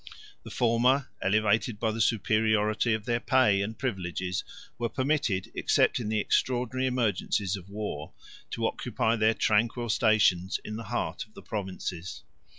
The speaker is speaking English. The former, elevated by the superiority of their pay and privileges, were permitted, except in the extraordinary emergencies of war, to occupy their tranquil stations in the heart of the provinces.